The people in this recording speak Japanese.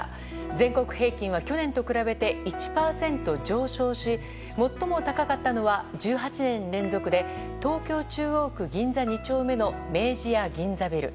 全国平均は去年と比べて１％上昇し最も高かったのは１８年連続で東京・中央区銀座２丁目の明治屋銀座ビル。